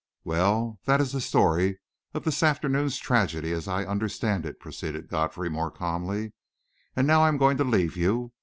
"Well, that is the story of this afternoon's tragedy, as I understand it," proceeded Godfrey, more calmly. "And now I'm going to leave you.